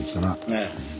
ええ。